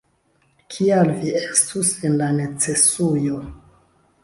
Kial vi estus en la necesujo?